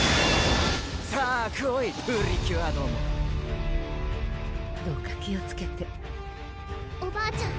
さぁ来いプリキュアどもどうか気をつけておばあちゃん